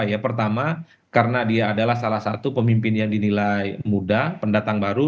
yang pertama karena dia adalah salah satu pemimpin yang dinilai muda pendatang baru